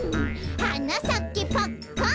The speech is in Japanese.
「はなさけパッカン